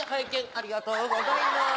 ありがとうございます。